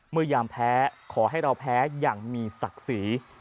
ยามแพ้ขอให้เราแพ้อย่างมีศักดิ์ศรี